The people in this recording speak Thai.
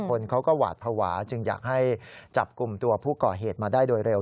คนเขาก็หวาดภาวะจึงอยากให้จับกลุ่มตัวผู้ก่อเหตุมาได้โดยเร็ว